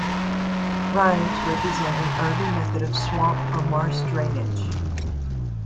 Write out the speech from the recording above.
Rhynes represent an early method of swamp or marsh drainage.